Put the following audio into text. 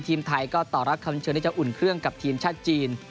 ทีมไทยก็ต่อรับคำเชิญที่จะอุ่นเครื่องกับทีมชาติจีน